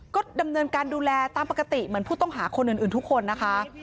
ก็ดำเนินการดูแลตามปกติเหมือนผู้ต้องหาคนอื่นทุกคนนะคะ